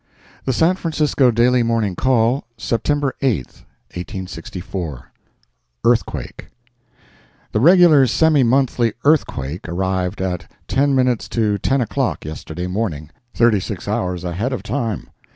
The San Francisco Daily Morning Call, September 8, 1864 EARTHQUAKE The regular semi monthly earthquake arrived at ten minutes to ten o'clock, yesterday morning. Thirty six hours ahead of time.